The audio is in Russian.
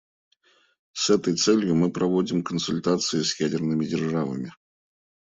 С этой целью мы проводим консультации с ядерными державами.